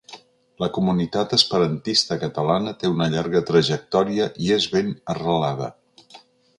La comunitat esperantista catalana té una llarga trajectòria i és ben arrelada.